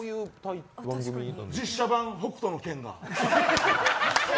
実写版「北斗の拳」が。